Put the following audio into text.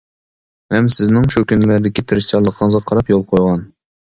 ھەم سىزنىڭ شۇ كۈنلەردىكى تىرىشچانلىقىڭىزغا قاراپ قول قويغان.